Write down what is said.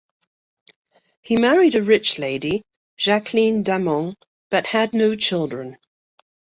He married a rich lady, Jacqueline Damant, but had no children.